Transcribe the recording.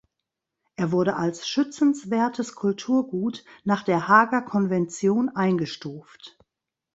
Er wurde als schützenswertes Kulturgut nach der Haager Konvention eingestuft.